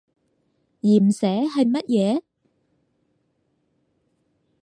鹽蛇係乜嘢？